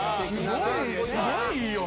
すごいよ！